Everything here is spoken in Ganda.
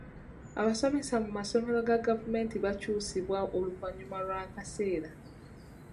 Abasomesa mu masomero ga gavumenti bakyusibwa oluvannyuma lw'akaseera.